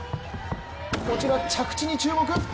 こちら、着地に注目。